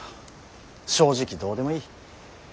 正直どうでもいい。